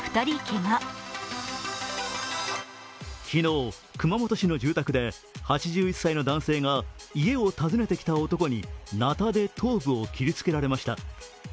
昨日、熊本市の住宅で８１歳の男性が家を訪ねてきた男になたで頭部を切りつけられました。